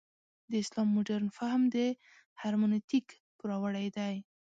د اسلام مډرن فهم د هرمنوتیک پوروړی دی.